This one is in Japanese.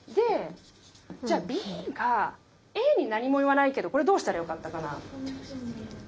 じゃあＢがＡに何も言わないけどこれどうしたらよかったかな。